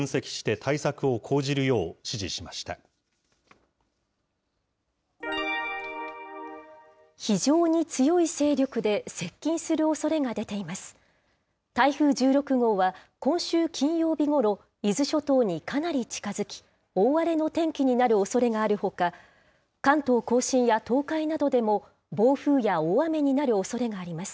台風１６号は、今週金曜日ごろ、伊豆諸島にかなり近づき、大荒れの天気になるおそれがあるほか、関東甲信や東海などでも暴風や大雨になるおそれがあります。